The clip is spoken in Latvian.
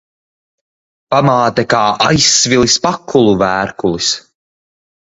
Pamāte kā aizsvilis pakulu vērkulis.